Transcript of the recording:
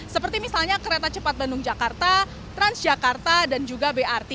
seperti misalnya kereta cepat bandung jakarta transjakarta dan juga brt